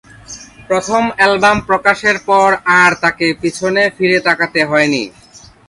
প্রথম অ্যালবাম প্রকাশের পর আর তাকে পেছনে ফিরে তাকাতে হয়নি।